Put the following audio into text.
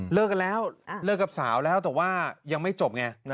เลิกกันแล้วเลิกกับสาวแล้วแต่ว่ายังไม่จบไง